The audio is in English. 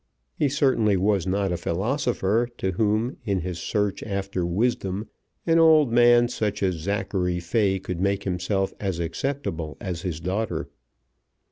He certainly was not a philosopher to whom in his search after wisdom an old man such as Zachary Fay could make himself as acceptable as his daughter.